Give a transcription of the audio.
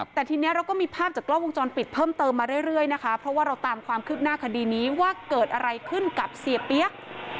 แต่ทีนี้เราก็มีภาพจากกล้องวงจรปิดเพิ่มเติมมาเรื่อยนะคะเพราะว่าเราตามความคืบหน้าคดีนี้ว่าเกิดอะไรขึ้นกับเสียเปี๊ยก